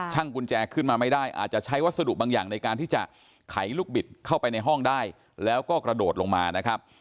กุญแจขึ้นมาไม่ได้อาจจะใช้วัสดุบางอย่างในการที่จะไขลูกบิดเข้าไปในห้องได้แล้วก็กระโดดลงมานะครับ